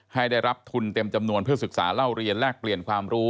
ให้ได้รับทุนเต็มจำนวนเพื่อศึกษาเล่าเรียนแลกเปลี่ยนความรู้